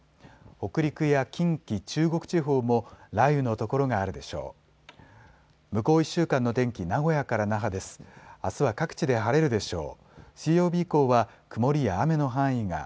北陸や近畿、中国地方も雷雨の所があるでしょう。